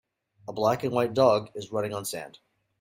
A black and white dog is running on sand.